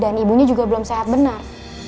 dan ibunya juga belum sehat benar